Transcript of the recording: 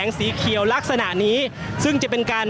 ก็น่าจะมีการเปิดทางให้รถพยาบาลเคลื่อนต่อไปนะครับ